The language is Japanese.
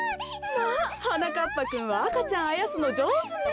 まあはなかっぱくんは赤ちゃんあやすのじょうずね。